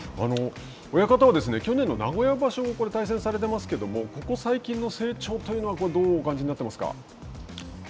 親方は、去年の名古屋場所対戦されてますけれどもここ最近の成長というのはどうお感じになっていますか。